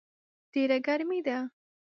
ډېره ګرمي ده